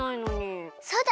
そうだ！